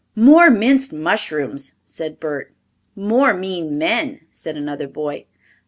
"More Minced Mushrooms," said Bert. "More Mean Men," said another boy.